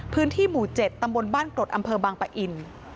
พื้นที่หมู่๗ตำบลบ้านกรดอำเภอบางปะอิน